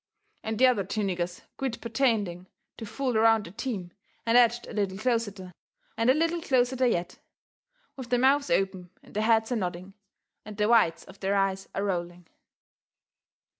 And the other two niggers quit pertending to fool around the team and edged a little closeter, and a little closeter yet, with their mouths open and their heads a nodding and the whites of their eyes a rolling.